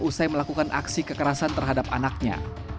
usai melakukan aksi kekerasan terhadap anaknya